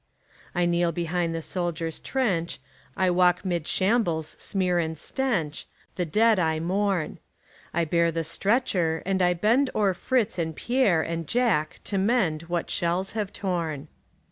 I kneel behind the soldier's trench, I walk 'mid shambles' smear and stench, The dead I mourn; I bear the stretcher and I bend O'er Fritz and Pierre and Jack to mend What shells have torn.